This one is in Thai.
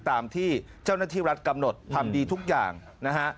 ตามที่เจ้าหน้าที่รัฐกำหนดทำดีทุกอย่างนะฮะ